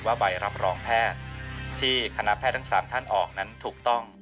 ใบรับรองแพทย์ที่คณะแพทย์ทั้ง๓ท่านออกนั้นถูกต้อง